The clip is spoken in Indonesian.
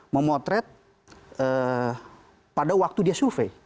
memotret pada waktu dia survei